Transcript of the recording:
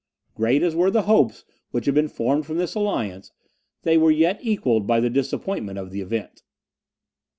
Great as were the hopes which had been formed from this alliance, they were yet equalled by the disappointment of the event.